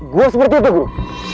gua seperti itu buru